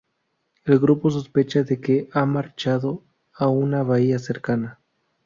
El grupo sospecha de que ha marchado a una bahía cercana.